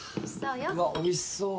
うわおいしそう！